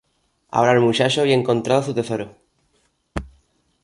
Ahora el muchacho había encontrado su tesoro.